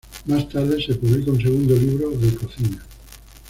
Más tarde, se publica un segundo libro de cocina.